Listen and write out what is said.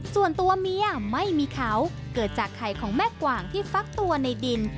ส่วนตัวเมียไม่มีเขาเกิดจากไข่ของแม่กว่างที่ฟักตัวในดิน